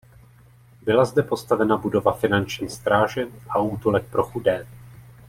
Byla zde postavena budova finanční stráže a útulek pro chudé.